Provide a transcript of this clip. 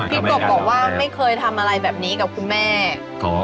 กบบอกว่าไม่เคยทำอะไรแบบนี้กับคุณแม่